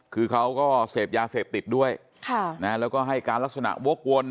คือเขาก็เสพยาเสพติดด้วยแล้วก็ให้การลักษณะวกวน